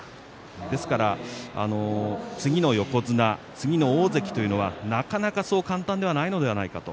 ですから次の横綱、次の大関というのは、なかなかそう簡単ではないのではないか。